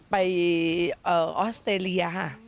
ไปออสเตเรียค่ะ